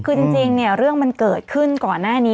คือจริงเนี่ยเรื่องมันเกิดขึ้นก่อนหน้านี้